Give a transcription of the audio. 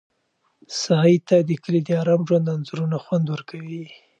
سعید ته د کلي د ارام ژوند انځورونه خوند ورکوي.